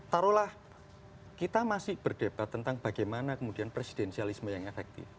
taruhlah kita masih berdebat tentang bagaimana kemudian presidensialisme yang efektif